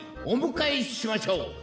おむかえしましょう。